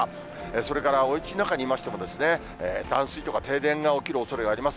それから、おうちの中にいましても、断水とか停電が起きるおそれがあります。